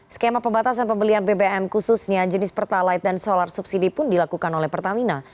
skema pembatasan pembelian bbm khususnya jenis pertalite dan solar subsidi pun dilakukan oleh pertamina